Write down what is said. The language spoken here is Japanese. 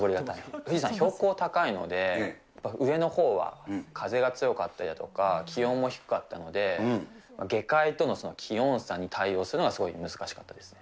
富士山、標高が高いので、上のほうは風が強かったりだとか、気温も低かったので、下界との気温差に対応するのはすごい難しかったですね。